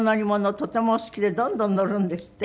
とてもお好きでどんどん乗るんですって？